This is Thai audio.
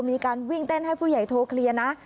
มีการวิ่งเต้นให้ผู้ใหญ่โทรเคลียร์นะ